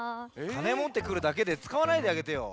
かねもってくるだけでつかわないであげてよ。